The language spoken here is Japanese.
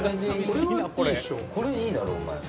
これでいいだろう？お前。